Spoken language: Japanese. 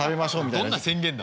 どんな宣言だ。